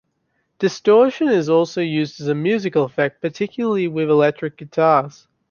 Distortion is also used as a musical effect, particularly with electric guitars.